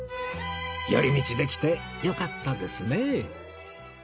寄り道できてよかったですね